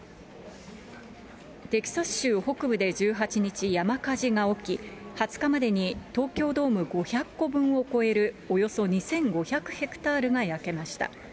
テキサス州北部で１８日、山火事が起き、２０日までに東京ドーム５００個分を超える、およそ２５００ヘクタールが焼けました。